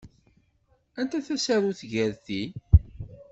Anta tasarut gar ti?